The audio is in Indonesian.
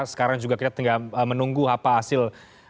sekarang juga kita tinggal menunggu apa hasil